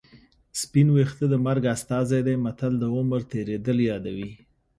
سپین ویښته د مرګ استازی دی متل د عمر تېرېدل یادوي